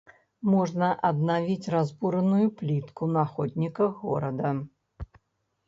Можна аднавіць разбураную плітку на ходніках горада.